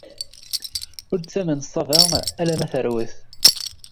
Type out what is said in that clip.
Ur ttamen ṣṣaba alamma terwet.